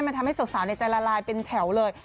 มันทำให้สาวในใจละลายเป็นแถวเลย